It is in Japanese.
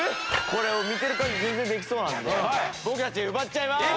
これ見てる限り全然できそうなんで僕たち奪っちゃいまーす！